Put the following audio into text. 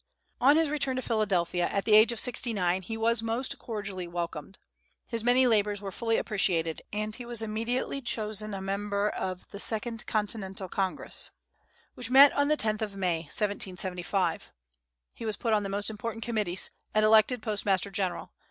On his return to Philadelphia, at the age of sixty nine, he was most cordially welcomed. His many labors were fully appreciated, and he was immediately chosen a member of the second Continental Congress, which met on the 10th of May, 1775. He was put on the most important committees, and elected Postmaster General.